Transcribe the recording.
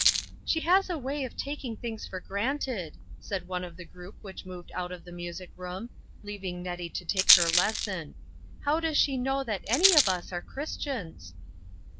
" She has a way of taking things for granted," said one of the group which moved out of the music room, leaving Nettie to take her lesson. " How does she know that any of us are Christians?"